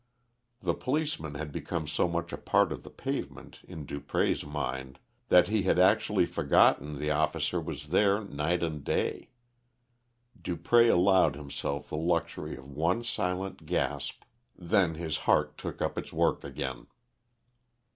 The policeman had become so much a part of the pavement in Dupré's mind that he had actually forgotten the officer was there night and day. Dupré allowed himself the luxury of one silent gasp, then his heart took up its work again.